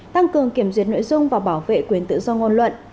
tăng cường kiểm duyệt nội dung và bảo vệ quyền tự do ngôn luận